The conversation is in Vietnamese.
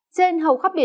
trên hầu khắp biển